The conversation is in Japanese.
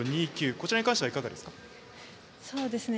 こちらに関してはいかがですか？